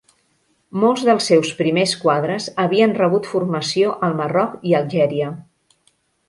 Molts dels seus primers quadres havien rebut formació al Marroc i Algèria.